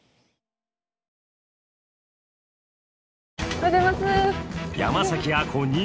おはようございます。